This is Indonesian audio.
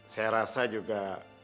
saya rasa juga